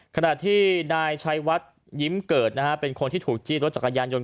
ขณะที่นายชัยวัดยิ้มเกิดนะฮะเป็นคนที่ถูกจี้รถจักรยานยนต